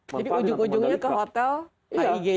jadi ujung ujungnya ke hotel hig juga ya